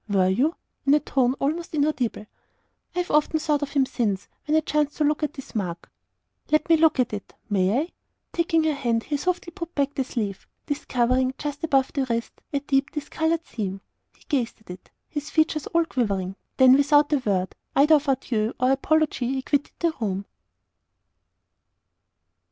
"Were you?" in a tone almost inaudible. "I have often thought of him since, when I chanced to look at this mark." "Let me look at it may I?" Taking her hand, he softly put back the sleeve, discovering, just above the wrist, a deep, discoloured seam. He gazed at it, his features all quivering, then, without a word either of adieu or apology, he quitted the room.